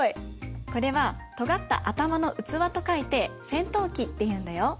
これは尖った頭の器と書いて尖頭器っていうんだよ。